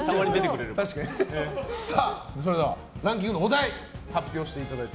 それではランキングのお題発表していただいて。